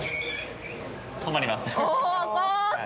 止まります。